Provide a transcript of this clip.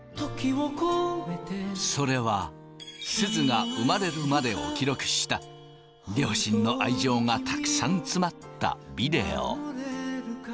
それはすずが産まれるまでを記録した両親の愛情がたくさん詰まったビデオ。